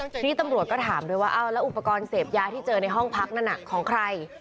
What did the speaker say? ทีนี้ตำรวจก็ถามด้วยว่าแล้วอุปกรณ์เสพยาที่เจอในห้องพักนั้นของใคร